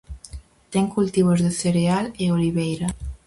Ten cultivos de cereal e oliveira.